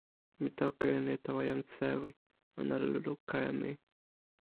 mi toki e ni tawa jan sewi: ona li luka e mi.